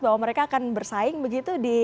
bahwa mereka akan bersaing begitu